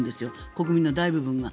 国民の大部分が。